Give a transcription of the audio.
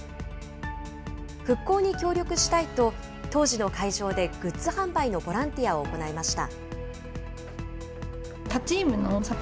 復興に協力したいと、当時の会場でグッズ販売のボランティアを行いました。